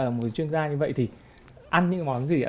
là một chuyên gia như vậy thì ăn những món gì ạ